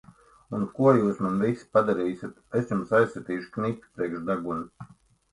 Un ko jūs man visi padarīsit! Es jums aizsitīšu knipi priekš deguna!